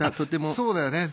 そうだよね。